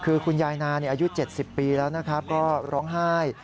คือคุณยายนาอยู่๗๐ปีแล้วก็ร้องไห้